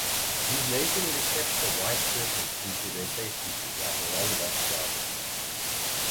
His nation would accept the "white serpent" into their safekeeping like a long-lost brother.